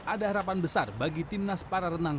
ada harapan besar bagi timnas para renang